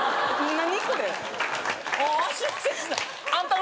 何？